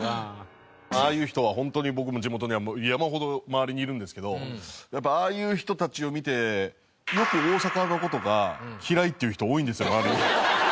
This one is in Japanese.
ああいう人はホントに僕の地元には山ほど周りにいるんですけどやっぱああいう人たちを見てよく大阪の事が嫌いっていう人多いんですよ。